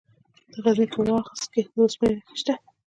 د غزني په واغظ کې د اوسپنې نښې شته.